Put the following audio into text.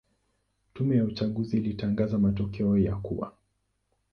Tume ya uchaguzi ilitangaza matokeo ya kuwa